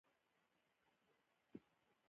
د کرنیزو محصولاتو بسته بندي د بازار تقاضا پوره کوي.